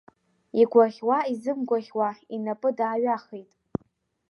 Игәаӷьуа-изымгәаӷьуа, инапы дааҩахеит.